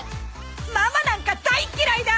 ママなんか大っ嫌いだ！